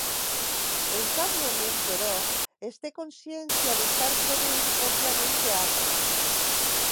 En cap moment, però, es té consciència d’estar produint pròpiament teatre.